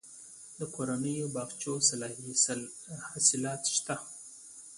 د کورنیو باغچو حاصلات شته